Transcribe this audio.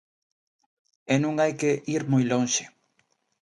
E non hai que ir moi lonxe.